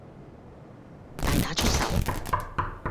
大打出手